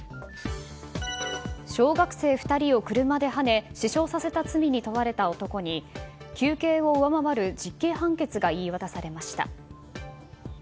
小学生２人を車ではね死傷させた罪に問われた男に求刑を上回る実刑判決が言い渡されました。